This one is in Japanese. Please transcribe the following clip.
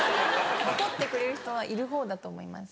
怒ってくれる人はいる方だと思います。